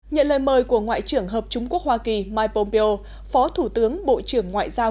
nhận lời mời của ngoại trưởng hợp chúng quốc hoa kỳ mike pompeo phó thủ tướng bộ trưởng ngoại giao